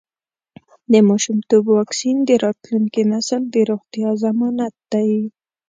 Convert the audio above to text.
د ماشومتوب واکسین د راتلونکي نسل د روغتیا ضمانت دی.